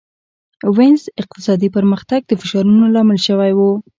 وینز اقتصادي پرمختګ د فشارونو لامل شوی و.